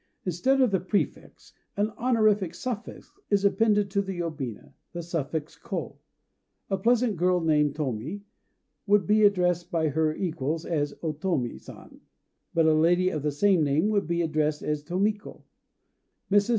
Instead of the prefix, an honorific suffix is appended to the yobina, the suffix ko. A peasant girl named Tomi would be addressed by her equals as O Tomi San. But a lady of the same name would be addressed as Tomiko. Mrs.